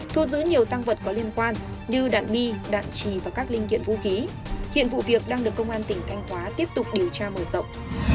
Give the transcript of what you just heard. thu giữ nhiều tăng vật có liên quan như đạn bi đạn trì và các linh kiện vũ khí hiện vụ việc đang được công an tỉnh thanh hóa tiếp tục điều tra mở rộng